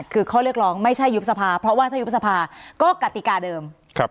คือข้อเรียกร้องไม่ใช่ยุบสภาเพราะว่าถ้ายุบสภาก็กติกาเดิม